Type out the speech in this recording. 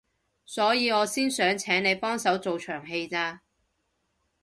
所以我先想請你幫手做場戲咋